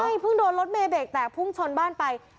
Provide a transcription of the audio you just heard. ใช่เพิ่งโดนรถเมยเบรกแตกพุ่งชนบ้านไป